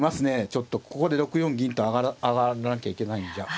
ちょっとここで６四銀と上がらなきゃいけないんじゃ。